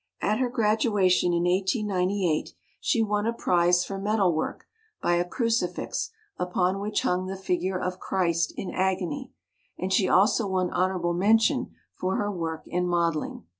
At her graduation in 1898 she won a prize for metal work by a crucifix upon which hung the figure of Christ in agony, and she also won honorable mention for her work in modeling.